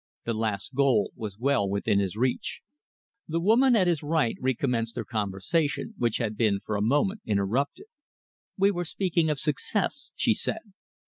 The last goal was well within his reach. The woman at his right recommenced their conversation, which had been for a moment interrupted. "We were speaking of success," she said.